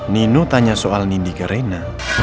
nino tanya soal nindi ke reina